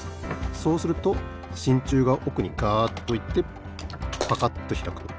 そうするとしんちゅうがおくにガッといってパカッとひらくと。